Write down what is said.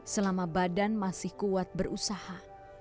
selama badan masih kuat berusaha